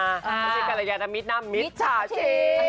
ไม่ใช่กรณญาณมิตรนะมิตรฉาชี